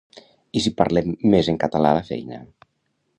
I si parlem més en català a la feina?